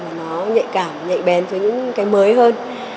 mà nó nhạy cảm nhạy bén với những cái mới hơn